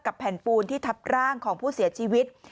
แผ่นปูนที่ทับร่างของผู้เสียชีวิต